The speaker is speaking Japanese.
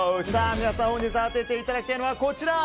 皆さん、本日当てていただきたいのはこちら。